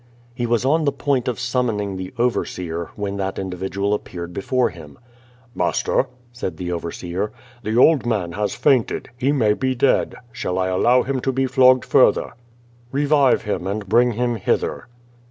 He was on the point of summoning the overseer, when that individual appeared before him. 256 Of^O TADTPf, "Master," said the overseer, "the old man lias fainted. He may ])o dead. Shall I allow liim to be flogged further?^^ "Revive him, and bring him hither."